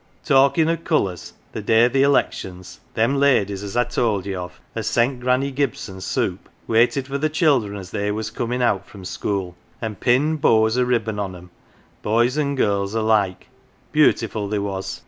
"Talkin' of colours the day of the elections them ladies as I told ye of as sent Granny Gib s o n soup, waited for the children as they was comin' out from school, and pinned bows o' ribbon on 'em, boys and girls alike beautiful they was.